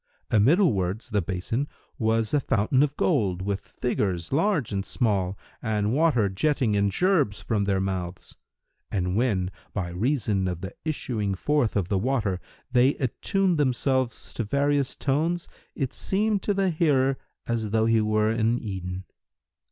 Amiddlewards the basin was a fountain of gold, with figures, large and small, and water jetting in gerbes from their mouths; and when, by reason of the issuing forth of the water, they attuned themselves to various tones, it seemed to the hearer as though he were in Eden.